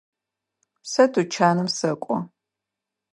Сэ тучаным сэкӏо.